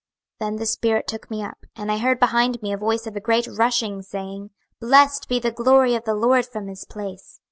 26:003:012 Then the spirit took me up, and I heard behind me a voice of a great rushing, saying, Blessed be the glory of the LORD from his place.